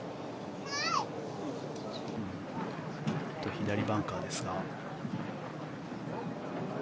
左バンカーですが。